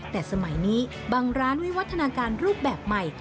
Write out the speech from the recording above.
แต่สมัยนี้บางร้านวิวัฒนาการรูปแบบใหม่